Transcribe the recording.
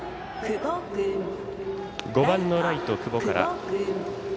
５番のライト、久保から。